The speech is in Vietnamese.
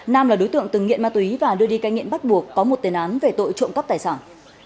nam là đối tượng từng nghiện ma túy và đưa đi cai nghiện bắt buộc có một tên án về tội trộm cắp tài sản